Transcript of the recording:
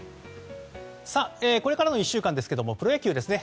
これからの１週間ですがプロ野球ですね。